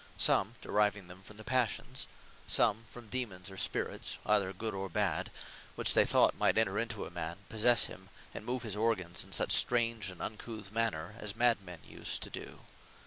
Some, deriving them from the Passions; some, from Daemons, or Spirits, either good, or bad, which they thought might enter into a man, possesse him, and move his organs is such strange, and uncouth manner, as mad men use to do.